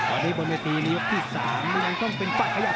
อันนี้บริเวณตีนยกที่๓มันยังต้องเป็นประยักษณ์